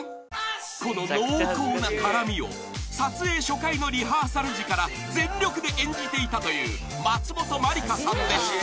［この濃厚な絡みを撮影初回のリハーサル時から全力で演じていたという松本まりかさんでした］